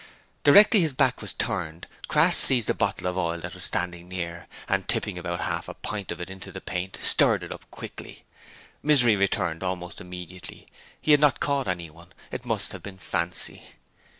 Directly his back was turned Crass seized a bottle of oil that was standing near and, tipping about half a pint of it into the paint, stirred it up quickly. Misery returned almost immediately: he had not caught anyone; it must have been fancy.